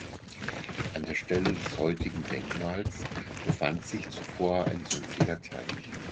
An der Stelle des heutigen Denkmals befand sich zuvor ein sumpfiger Teich.